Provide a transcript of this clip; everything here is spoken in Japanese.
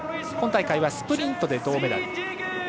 今大会はスプリントで銅メダル。